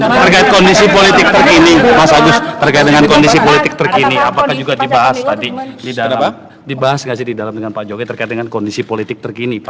terkait kondisi politik terkini mas agus terkait dengan kondisi politik terkini apakah juga dibahas tadi dibahas nggak sih di dalam dengan pak jokowi terkait dengan kondisi politik terkini pak